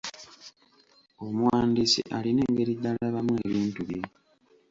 Omuwandiisi alina engeri gy'alabamu ebintu bye.